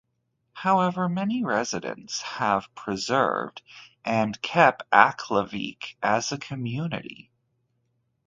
However, many residents have persevered and kept Aklavik as a community.